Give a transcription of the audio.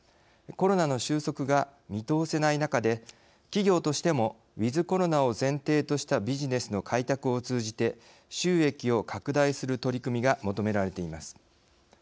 コロナの収束が見通せない中で企業としてもｗｉｔｈコロナを前提としたビジネスの開拓を通じて収益を拡大する取り組みが求められています。